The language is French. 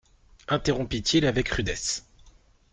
Interrompit-il avec rudesse.